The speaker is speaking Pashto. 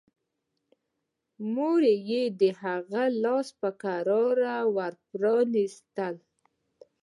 مور يې د هغه لاس په کراره ور پرانيست.